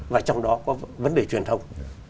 và trong đó có vấn đề truyền thông